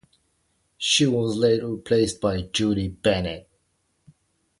She was later replaced by Julie Bennett.